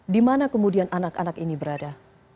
di mana kemudian anak anak ini berada